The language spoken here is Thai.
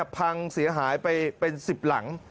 พังเสียหายไปเป็น๑๐หลัง